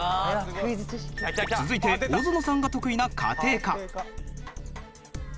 続いて大園さんが得意な家庭科。